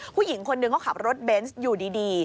ผู้หญิงคนหนึ่งเขาขับรถเบนส์อยู่ดี